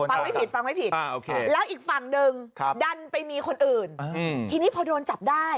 แล้วไม่ยอมรับความคิด